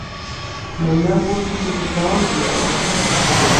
لەیلا بووە کەسێکی تەواو جیاواز.